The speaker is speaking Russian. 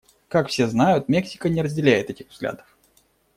Как все знают, Мексика не разделяет этих взглядов.